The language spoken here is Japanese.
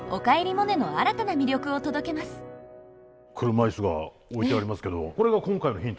車いすが置いてありますけど。